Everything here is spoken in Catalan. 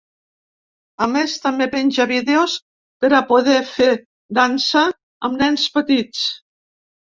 A més, també penja vídeos per a poder fer dansa amb nens petits.